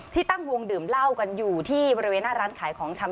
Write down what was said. ตั้งวงดื่มเหล้ากันอยู่ที่บริเวณหน้าร้านขายของชำ